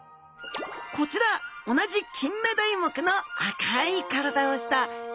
こちら同じキンメダイ目の赤い体をしたエビスダイちゃん。